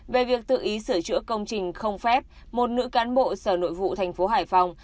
về việc tự ý sửa chữa công trình không phép một nữ cán bộ sở nội vụ thành phố hải phòng